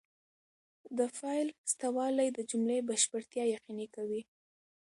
د فاعل سته والى د جملې بشپړتیا یقیني کوي.